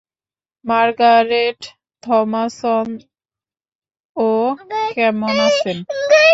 Margaret Thomason, ও কেমন আছে?